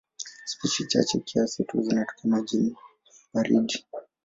Spishi chache kiasi tu zinatokea majini baridi.